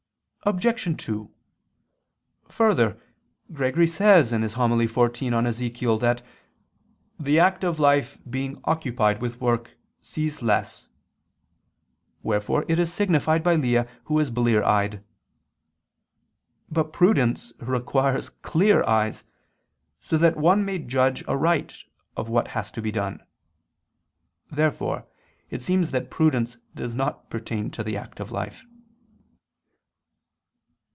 Obj. 2: Further, Gregory says (Hom. xiv in Ezech.) that the "active life being occupied with work, sees less," wherefore it is signified by Lia who was blear eyed. But prudence requires clear eyes, so that one may judge aright of what has to be done. Therefore it seems that prudence does not pertain to the active life.